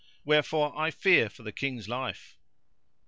Wherefore I fear for the King's life."